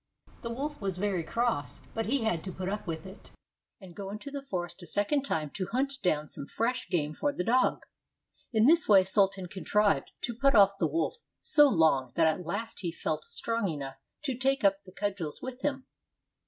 The wolf was very cross; but he had to put up with it, and go into the forest a second time to hunt down some fresh game for the dog. In this way Sultan contrived to put off the wolf so long that at last he felt strong enough to take up the cudgels with him.